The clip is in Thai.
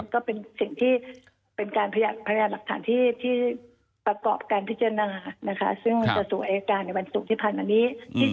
ก็เป็นสิ่งที่เป็นการพยายามหลักฐานที่ประกอบการพิจารณานะคะซึ่งกระทรวงอายการในวันศุกร์ที่ผ่านมานี้